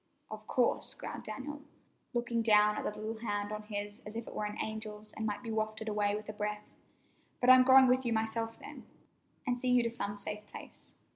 "Of course," growled Dan, looking down at the little hand on his as if it were an angel's and might be wafted away with a breath. "But I'm going with you myself, then, and see you to some safe place."